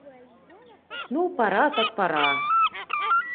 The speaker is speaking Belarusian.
Ну пара, так пара!